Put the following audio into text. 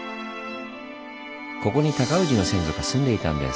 ここに尊氏の先祖が住んでいたんです。